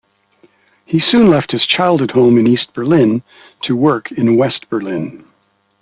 He soon left his childhood home in East Berlin to work in West Berlin.